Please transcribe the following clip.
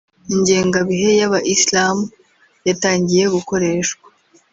Ingengabihe y’aba islam yatangiye gukoreshwa